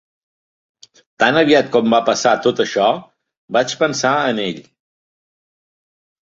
Tan aviat com va passar tot això, vaig pensar en ell.